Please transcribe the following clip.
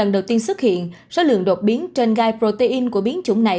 đầu tiên xuất hiện số lượng đột biến trên gai protein của biến chủng này